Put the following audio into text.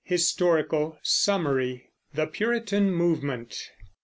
HISTORICAL SUMMARY THE PURITAN MOVEMENT.